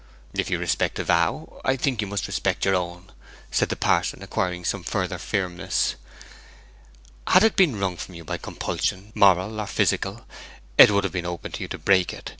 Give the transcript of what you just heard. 'If you respect a vow, I think you must respect your own,' said the parson, acquiring some further firmness. 'Had it been wrung from you by compulsion, moral or physical, it would have been open to you to break it.